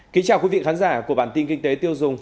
kính chào quý vị khán giả của bản tin kinh tế tiêu dùng